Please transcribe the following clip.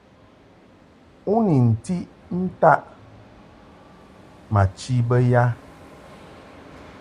U ni ntiʼ ntaʼ ma chi bə ya ?